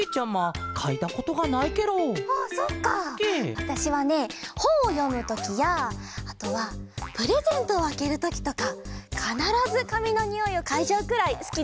わたしはねほんをよむときやあとはプレゼントをあけるときとかかならずかみのにおいをかいじゃうくらいすきなんだよ。